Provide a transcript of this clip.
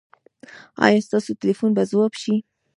ایا ستاسو ټیلیفون به ځواب شي؟